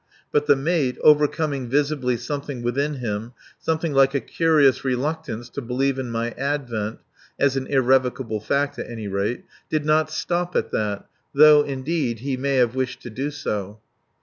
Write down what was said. But the mate, overcoming visibly something within him something like a curious reluctance to believe in my advent (as an irrevocable fact, at any rate), did not stop at that though, indeed, he may have wished to do so.